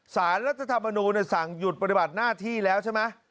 สารรัฐธรรมนูลสั่งหยุดปฏิบัติหน้าที่แล้วใช่ไหม